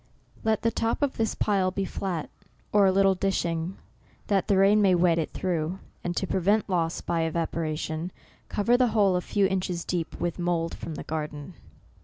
Let the top of this pile be flat, or a little eCTOBER. J 89 dishing, that the rain may wet it through, and to prevent loss by evaporation, cover the whole a few inches deep with mould from the garden.